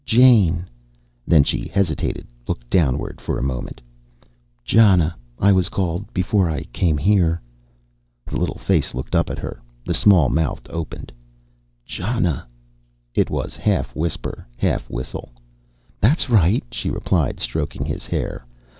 "Jane." Then she hesitated, looked downward for a moment. "Jana, I was called before I came here." The little face looked up at her. The small mouth opened. "Jana." It was half whisper, half whistle. "That's right," she replied, stroking his hair.